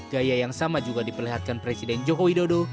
gaya yang sama juga diperlihatkan presiden joko widodo